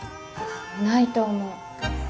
ないと思う。